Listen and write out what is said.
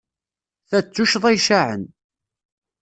Ta d tuccḍa icaɛen.